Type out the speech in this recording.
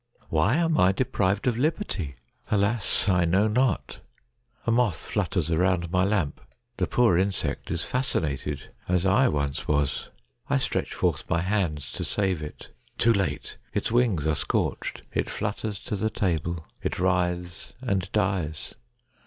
Why am I deprived of liberty ? Alas ! I know not. A moth flutters around my lamp. The poor insect is fascinated, as I once was. I stretch forth my hands to save it. Too late ! Its wings are scorched ; it flutters to the table ; it writhes, and dies.